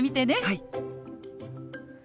はい！